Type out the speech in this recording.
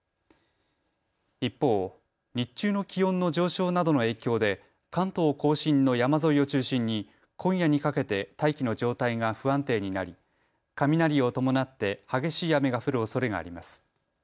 一方、日中の気温の上昇などの影響で関東甲信の山沿いを中心に今夜にかけて大気の状態が不安定になり雷を伴って激しい雨が降るおそれがあります。